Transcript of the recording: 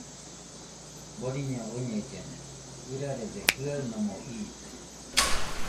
Boriño oñellena, ɨrarede jɨanomo iite..